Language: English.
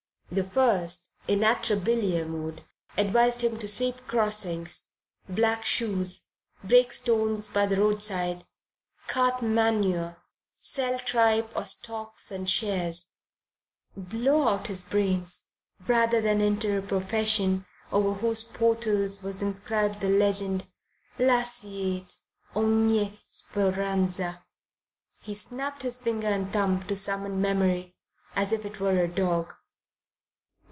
The first, in atrabiliar mood, advised him to sweep crossings, black shoes, break stones by the roadside, cart manure, sell tripe or stocks and shares, blow out his brains rather than enter a profession over whose portals was inscribed the legend, Lasciate ogni speranza he snapped his finger and thumb to summon memory as if it were a dog.